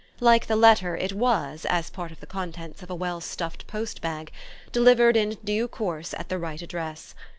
Like the letter it was, as part of the contents of a well stuffed post bag, delivered in due course at the right address.